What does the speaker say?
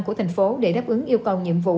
của thành phố để đáp ứng yêu cầu nhiệm vụ